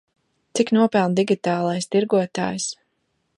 Cik nopelna digitālais tirgotājs?